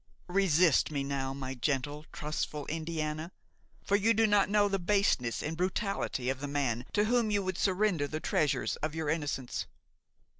Resist me now, my gentle, trustful Indiana; for you do not know the baseness and brutality of the man to whom you would surrender the treasures of your innocence!